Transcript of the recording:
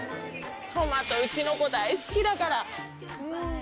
トマトうちの子大好きだから。